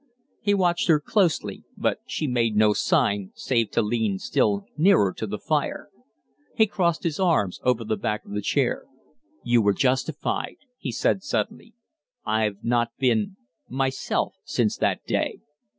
He watched her closely; but she made no sign, save to lean still nearer to the fire. He crossed his arms over the back of her chair. "You were justified," he said, suddenly. "I've not been myself since that day."